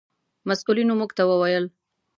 مسؤلینو موږ ته و ویل: